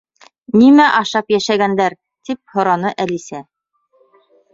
—Нимә ашап йәшәгәндәр? —тип һораны Әлисә.